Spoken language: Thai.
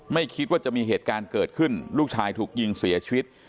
ไม่คิดว่าจะมีเหตุการณ์เกิดขึ้นลูกชายถูกยิงเสียชีวิต